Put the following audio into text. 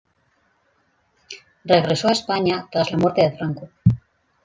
Regresó a España tras la muerte de Franco.